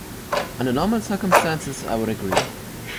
Under normal circumstances, I would agree.